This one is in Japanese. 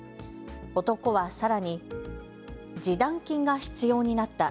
男はさらに示談金が必要になった。